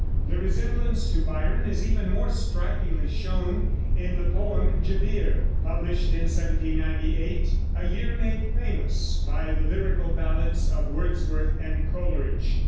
The resemblance to Byron is even more strikingly shown in the poem Gebir, published in 1798, a year made famous by the Lyrical Ballads of Wordsworth and Coleridge.